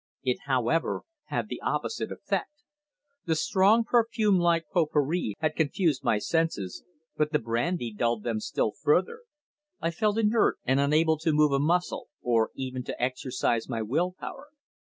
It, however, had the opposite effect. The strong perfume like pot pourri had confused my senses, but the brandy dulled them still further. I felt inert and unable to move a muscle, or even to exercise my will power.